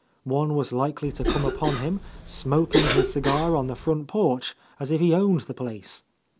One was likely to come upon him, smoking his cigar on the front porch as if he owned the place.